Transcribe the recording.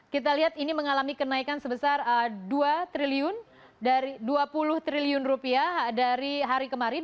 kita lihat ini mengalami kenaikan sebesar dua triliun dari dua puluh triliun rupiah dari hari kemarin